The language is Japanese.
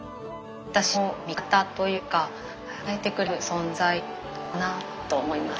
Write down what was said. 私の味方というか支えてくれる存在かなと思います。